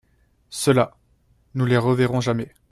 Ceux-là, nous ne les reverrons jamais.